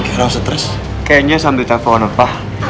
kayaknya sambil telfon apa